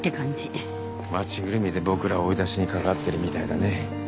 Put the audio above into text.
町ぐるみで僕らを追い出しにかかってるみたいだね。